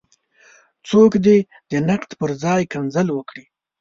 څوک دې د نقد پر ځای کنځل وکړي.